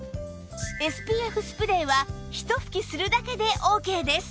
ＳＰＦ スプレーはひと吹きするだけでオーケーです